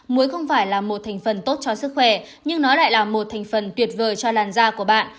muối không phải là một thành phần tốt cho sức khỏe nhưng nó lại là một thành phần tuyệt vời cho làn da của bạn